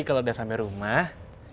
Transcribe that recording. kalau udah sampai rumah